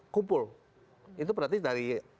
kumpul itu berarti dari